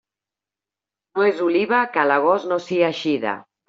No és oliva que a l'agost no sia eixida.